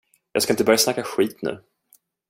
Jag ska inte börja snacka skit nu.